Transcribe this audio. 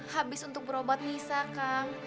habis untuk berobat nisa kang